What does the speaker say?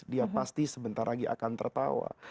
dia pasti sebentar lagi akan tertawa